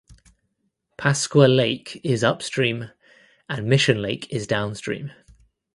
Pasqua Lake is upstream and Mission Lake is downstream.